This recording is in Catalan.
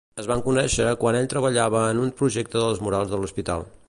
Es van conèixer quan ell treballava en un el projecte dels murals de l'hospital.